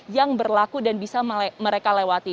yang berlaku dan bisa mereka lewati